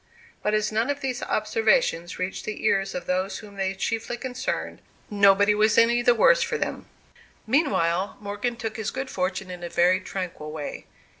But as none of these observations reached the ears of those whom they chiefly concerned, nobody was any the worse for them. Meanwhile, Morgan took his good fortune in a very tranquil way.